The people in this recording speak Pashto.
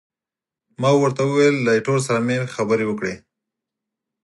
ما ورته وویل، له ایټور سره مې خبرې وکړې.